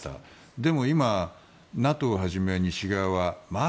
でも今、ＮＡＴＯはじめ西側はまあ